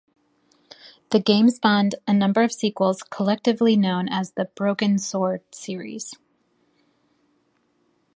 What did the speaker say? The game spawned a number of sequels collectively known as the "Broken Sword" series.